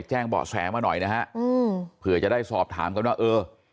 แจ้งเบาะแสมาหน่อยนะฮะอืมเผื่อจะได้สอบถามกันว่าเออ